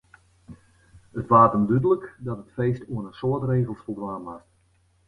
It waard him dúdlik dat it feest oan in soad regels foldwaan moast.